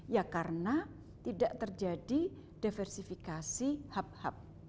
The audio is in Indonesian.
ya karena tidak terjadi diversifikasi hub hub